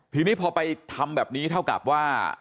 ทีนี้พอไปทำแบบนี้เท่ากับว่า